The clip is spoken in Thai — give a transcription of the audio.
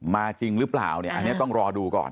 มาจริงหรือเปล่าอันนี้ต้องรอดูก่อน